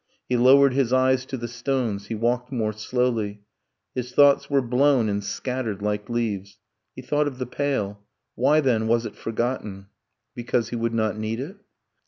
. He lowered his eyes to the stones, he walked more slowly; His thoughts were blown and scattered like leaves; He thought of the pail ... Why, then, was it forgotten? Because he would not need it?